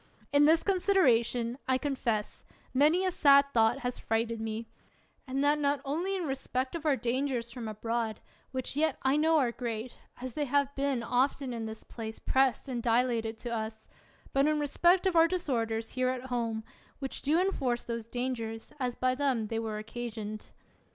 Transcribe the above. In this consideration, I confess, many a sad thought has frighted me: and that not only in respect of our dangers from abroad, which yet I know are great, as they have been often in this place prest and dilated to us; but in respect of our disorders here at home, which do inforce those dangers, as by them they were occasioned.